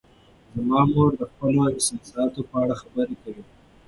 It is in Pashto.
زما مور د خپلو احساساتو په اړه خبرې کوي.